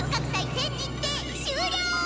全日程終了！」。